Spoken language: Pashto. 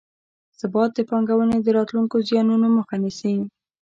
ثبات د پانګونې د راتلونکو زیانونو مخه نیسي.